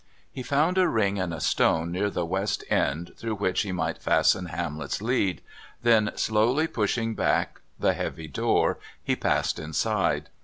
He found a ring in a stone near the west end through which he might fasten Hamlet's lead, then, slowly pushing back the heavy door, he passed inside.